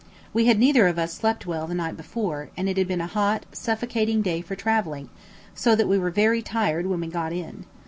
We had neither of us slept well the night before, and it had been a hot, suffocating day for travelling, so that we were very tired when we got in.